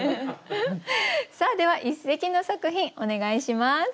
さあでは一席の作品お願いします。